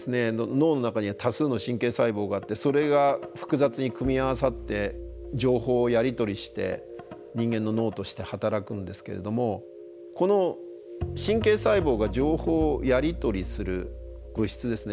脳の中には多数の神経細胞があってそれが複雑に組み合わさって情報をやり取りして人間の脳として働くんですけれどもこの神経細胞が情報をやり取りする物質ですね。